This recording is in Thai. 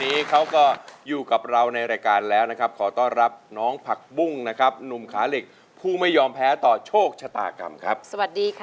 ดีขึ้นเยอะนะวันนี้คุณแม่มานั่งเชียร์ได้ด้วยนะคะ